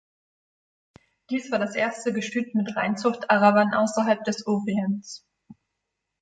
Dies war das erste Gestüt mit Reinzucht-Arabern außerhalb des Orients.